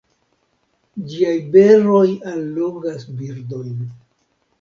Ĝiaj beroj allogas birdojn.